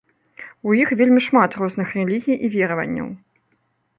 У іх вельмі шмат розных рэлігій і вераванняў.